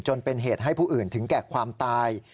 จนเป็นเหตุให้ผู้อื่นถึงแก่ความตาย